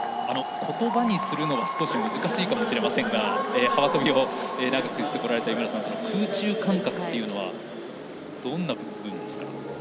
言葉にするのは少し難しいかもしれませんが幅跳びを長くしてこられた井村さん空中感覚というのはどんな部分ですか。